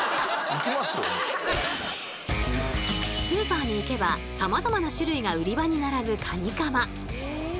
スーパーに行けばさまざまな種類が売り場に並ぶカニカマ。